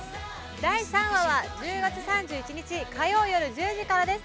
第３話は１０月３１日火曜よる１０時からです